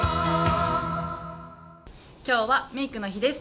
今日はメークの日です。